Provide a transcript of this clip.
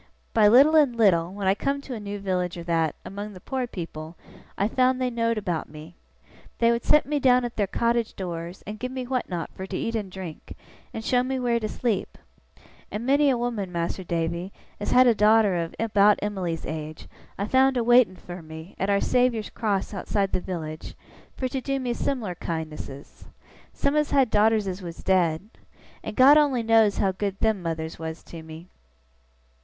By little and little, when I come to a new village or that, among the poor people, I found they know'd about me. They would set me down at their cottage doors, and give me what not fur to eat and drink, and show me where to sleep; and many a woman, Mas'r Davy, as has had a daughter of about Em'ly's age, I've found a waiting fur me, at Our Saviour's Cross outside the village, fur to do me sim'lar kindnesses. Some has had daughters as was dead. And God only knows how good them mothers was to me!